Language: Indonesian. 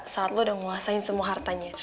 saat lo udah nguasain semua hartanya